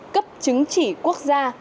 cấp chứng chỉ quốc gia